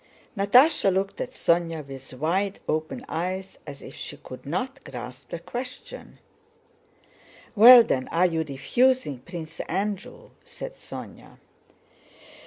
Natásha looked at Sónya with wide open eyes as if she could not grasp the question. "Well, then, are you refusing Prince Andrew?" said Sónya.